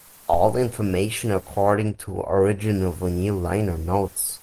All information according to original vinyl liner notes.